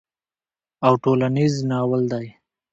او ټولنيز ناول دی